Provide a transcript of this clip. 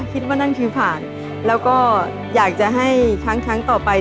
คิดว่านั่นคือผ่านแล้วก็อยากจะให้ช้างครั้งต่อไป